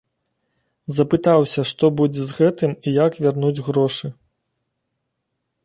Запытаўся, што будзе з гэтым і як вярнуць грошы.